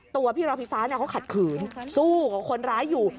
ตัวพี่ราพิษาเขาขัดขืนสู้กับคนร้ายอยู่